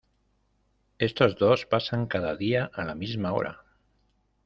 Estos dos pasan cada día a la misma hora.